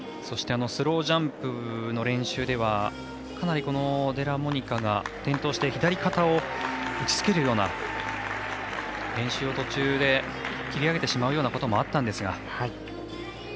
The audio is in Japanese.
そしてスロージャンプの練習ではかなりデラモニカが転倒して左肩を、打ちつけるような練習を途中で切り上げてしまうこともあったんですが。